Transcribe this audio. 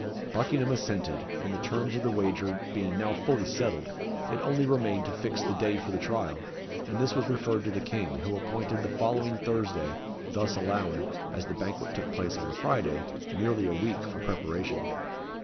Buckingham assented, and the terms of the wager being now fully settled, it only remained to fix the day for the trial, and this was referred to the King, who appointed the following Thursday thus allowing, as the banquet took place on a Friday, nearly a week for preparation.